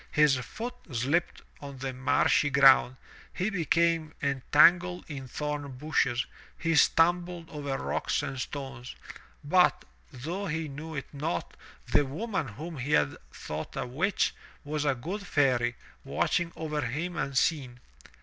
His foot slipped on the marshy ground., he became entangled in thorn bushes, he stumbled over rocks and stones. But, though he knew it not, the woman whom he had thought a witch, was a good fairy, watching over him unseen.